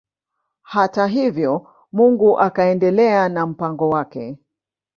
Hata hivyo Mungu akaendelea na mpango wake.